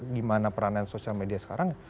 gimana peranan sosial media sekarang